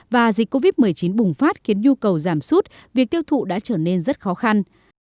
và dịch covid một mươi chín bùng phát khiến nhu cầu giảm sút việc tiêu thụ đã trở nên rất khó khăn